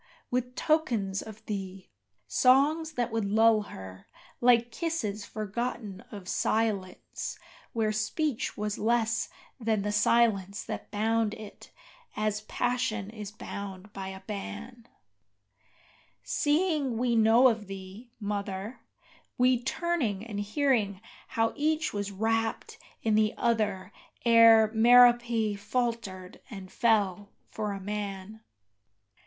with tokens of thee Songs that would lull her, like kisses forgotten of silence where speech was Less than the silence that bound it as passion is bound by a ban; Seeing we know of thee, Mother, we turning and hearing how each was Wrapt in the other ere Merope faltered and fell for a man?